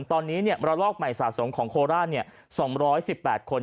ตอนนี้เนี่ยมรรลอกใหม่สะสมของโคลาสเนี่ย๒๑๘คน